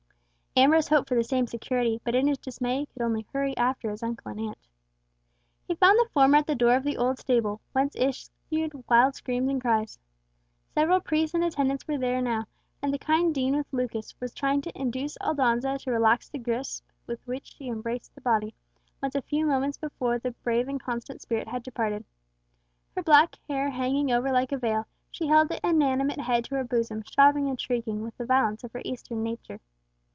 Ambrose hoped for the same security, but in his dismay, could only hurry after his uncle and aunt. He found the former at the door of the old stable—whence issued wild screams and cries. Several priests and attendants were there now, and the kind Dean with Lucas was trying to induce Aldonza to relax the grasp with which she embraced the body, whence a few moments before the brave and constant spirit had departed. Her black hair hanging over like a veil, she held the inanimate head to her bosom, sobbing and shrieking with the violence of her Eastern nature.